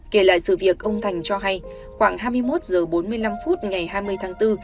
kể lại sự việc ông thành cho hay khoảng hai mươi một h bốn mươi năm phút ngày hai mươi tháng bốn